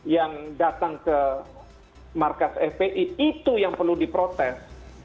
yang datang ke markas fpi itu yang perlu diprotes